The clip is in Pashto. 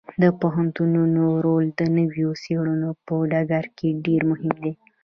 د پوهنتونونو رول د نویو څیړنو په ډګر کې ډیر مهم دی.